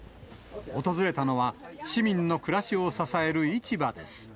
訪れたのは市民の暮らしを支える市場です。